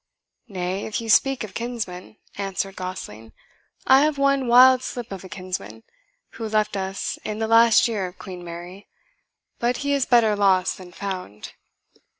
"Nay, if you speak of kinsmen," answered Gosling, "I have one wild slip of a kinsman, who left us in the last year of Queen Mary; but he is better lost than found."